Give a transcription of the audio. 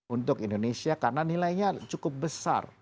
untuk indonesia karena nilainya cukup besar